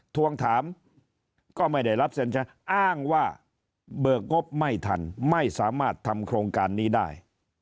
ทวงถามก็ไม่ได้รับเซ็นใช้อ้างว่าเบิกงบไม่ทันไม่สามารถทำโครงการนี้ได้